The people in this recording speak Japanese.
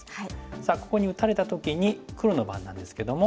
さあここに打たれた時に黒の番なんですけども。